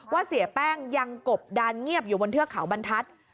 เสียแป้งยังกบดานเงียบอยู่บนเทือกเขาบรรทัศน์